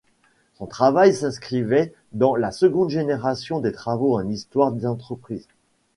Son travail s'inscrivait dans la seconde génération des travaux en histoire d'entreprise.